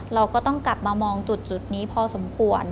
เราก็ต้องกลับมามองจุดนี้พอสมควร